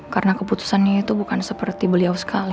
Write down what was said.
karena keputusannya itu bukan seperti beliau sekali